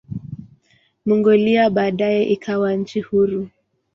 Mongolia baadaye ikawa nchi huru.